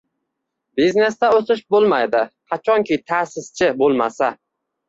Biznesda o'shis bo'lmaydi, qachonki ta'sischi bo'lmasa.